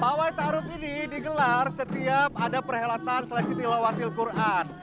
pawa ita'aruf ini digelar setiap ada perhelatan seleksi tilawatil quran